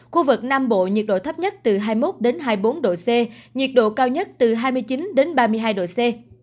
khu vực nam bộ nhiệt độ thấp nhất từ hai mươi một đến hai mươi bốn độ c nhiệt độ cao nhất từ hai mươi chín ba mươi hai độ c